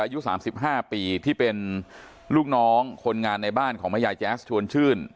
อายุ๓๕ปีที่เป็นลูกน้องคนงานในบ้านของแม่ยายแจ๊สชวนชื่น